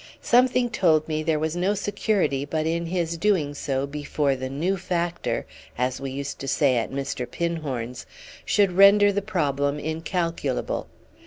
Something told me there was no security but in his doing so before the new factor, as we used to say at Mr. Pinhorn's, should render the problem incalculable.